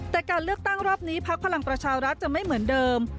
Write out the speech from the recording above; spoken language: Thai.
แต่การเลือกตั้งรอบนี้พักพลังประชารัฐจะไม่เหมือนเดิม